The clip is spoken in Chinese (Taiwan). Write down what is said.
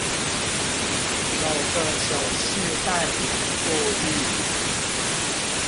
某個手勢代表覆議